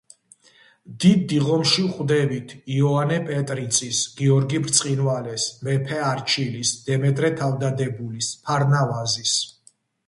დიდ დიღომში ვხვდებით იოანე პეტრიწის, გიორგი ბრწყინვალეს, მეფე არჩილის, დემეტრე თავდადებულის, ფარნავაზის.